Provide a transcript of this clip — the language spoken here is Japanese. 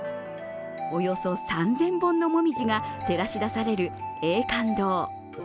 およそ３０００本のもみじが照らし出される永観堂。